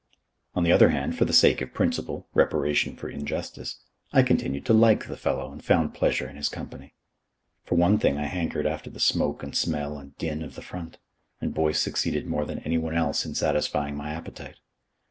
On the other hand, for the sake of principle, reparation for injustice, I continued to like the fellow and found pleasure in his company. For one thing, I hankered after the smoke and smell and din of the front, and Boyce succeeded more than anyone else in satisfying my appetite.